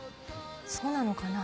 そうなのかな。